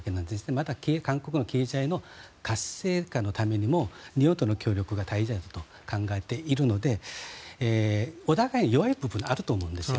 また韓国の経済の活性化のためにも日本との協力が大事だと考えているのでお互い、弱い部分あると思うんですよ。